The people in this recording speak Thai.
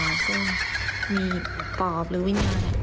และมีปอบหรือวิญญาณ